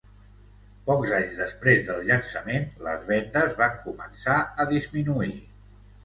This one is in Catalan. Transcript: Pocs anys després del llançament, les vendes van començar a disminuir.